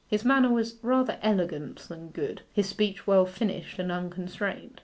His manner was rather elegant than good: his speech well finished and unconstrained.